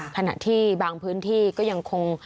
ขณะที่บางพื้นที่ก็ยังคง